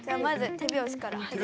手拍子から。